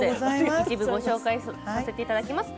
一部ご紹介させていただきます。